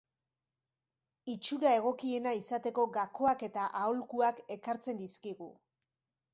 Itxura egokiena izateko gakoak eta aholkuak ekartzen dizkigu.